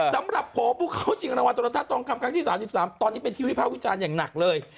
สำหรับโผพุเขาเชียงรางวัลตนทรัศน์ตรงคำครั้งที่๓๓ตอนนี้เป็นทีวิทยาภาพวิจารณ์อย่างหนักเลย